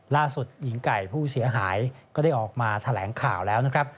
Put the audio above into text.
ล่าสุดหญิงไก่ผู้เสียหายก็ได้ออกมาแถลงข่าวแล้วนะครับ